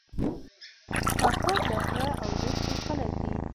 کاکړ د غره او دښتو خلک دي.